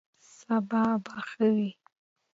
سبا به ښه وي